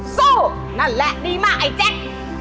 สู้นั่นแหละดีมากไอ้แจ๊ค